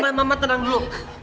ma ma mama tenang dulu